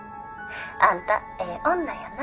あんたええ女やな。